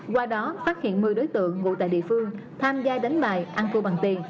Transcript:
qua đó phát hiện một mươi đối tượng ngụ tại địa phương tham gia đánh bài ăn thua bằng tiền